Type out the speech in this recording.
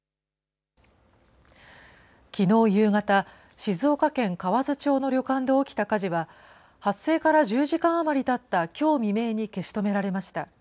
きのう夕方、静岡県河津町の旅館で起きた火事は、発生から１０時間余りたったきょう未明に消し止められました。